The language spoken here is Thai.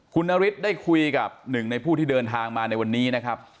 คุณนฤทธิ์ได้คุยกับหนึ่งในผู้ที่เดินทางมาในวันนี้นะครับ